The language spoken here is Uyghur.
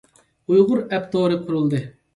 ئۇيغۇر ئەپ تورى قۇرۇلدى.